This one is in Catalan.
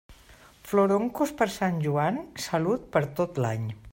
Floroncos per Sant Joan, salut per tot l'any.